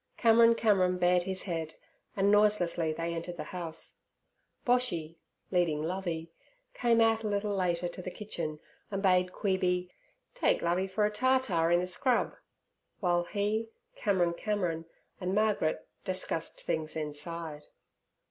Cameron Cameron bared his head, and noiselessly they entered the house. Boshy, leading Lovey, came out a little later to the kitchen and bade Queeby 'take Lovey for a ta ta in the scrub' while he, Cameron Cameron, and Margaret discussed things inside.